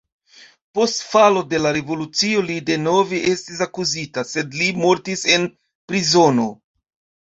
Post falo de la revolucio li denove estis akuzita, sed li mortis en prizono.